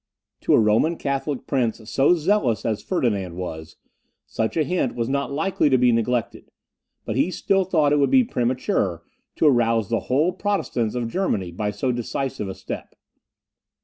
To a Roman Catholic prince so zealous as Ferdinand was, such a hint was not likely to be neglected; but he still thought it would be premature to arouse the whole Protestants of Germany by so decisive a step.